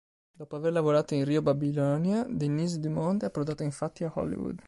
Dopo aver lavorato in "Rio Babilonia", Denise Dumont è approdata infatti a Hollywood.